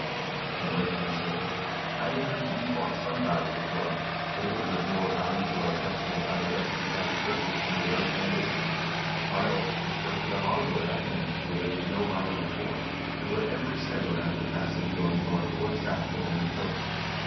King Ey stein said :' I have heard that you fought some battles abroad, but it was of more value to our country that I erected five churches from the very foun dations. I also constructed a harbor at Agdenes where there was no harbor before, and where every sailor had to pass in going north or south along the coast.